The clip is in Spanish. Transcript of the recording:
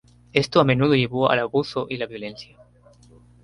Esto a menudo llevó al abuso y la violencia.